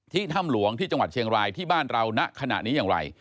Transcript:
ถ้ำหลวงที่จังหวัดเชียงรายที่บ้านเราณขณะนี้อย่างไร